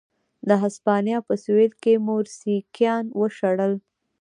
د هسپانیا په سوېل کې موریسکیان وشړل.